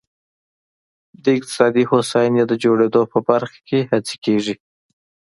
د اقتصادي هوساینې د جوړېدو په برخه کې هڅې کېږي.